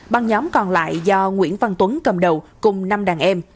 băng nhóm còn lại do nguyễn văn tuấn cầm đầu cùng năm đàn em